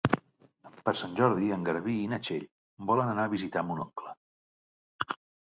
Per Sant Jordi en Garbí i na Txell volen anar a visitar mon oncle.